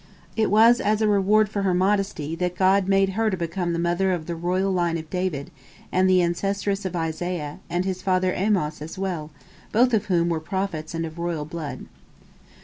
It was as a reward for her modesty that God made her to become the mother of the royal line of David, and the ancestress of Isaiah, and his father Amoz as well, both of whom were prophets and of royal blood.